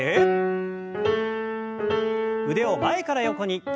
腕を前から横に。